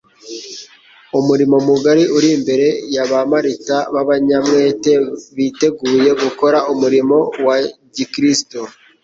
Umurimo mugari uri imbere ya ba Marita b'abanyamwete biteguye gukora umurimo wa gikristo.